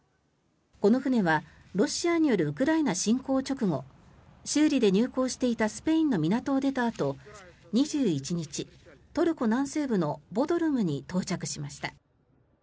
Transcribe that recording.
この船はロシアによるウクライナ侵攻直後修理で入港していたスペインの港を出たあと２１日、トルコ南西部のボドルムに到着しました。